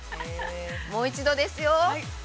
◆もう一度ですよ。